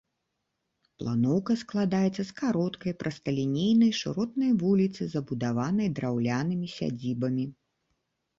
Планоўка складаецца з кароткай, прасталінейнай, шыротнай вуліцы, забудаванай драўлянымі сядзібамі.